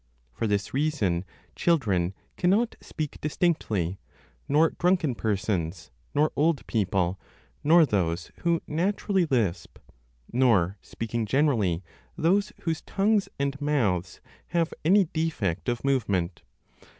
For this reason children cannot speak distinctly, nor drunken persons, nor old people, nor those who naturally lisp, nor, speaking generally, those whose tongues and mouths have any defect of movement.